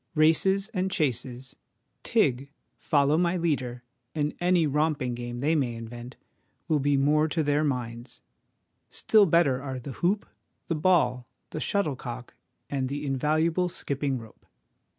Races and chases, 'tig,' 'follow my leader,' and any romping game they may invent, will be more to their minds : still better are the hoop, the ball, the shuttlecock, and the invaluable skipping rope.